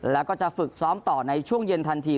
แล้วก็จะฝึกซ้อมต่อในช่วงเย็นทันที